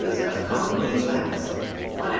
of common beeswax, 1 oz.